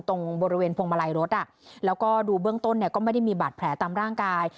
ตรงบริเวณพวงมาลัยรถอ่ะแล้วก็ดูเบื้องต้นเนี่ยก็ไม่ได้มีบาดแผลตามร่างกาย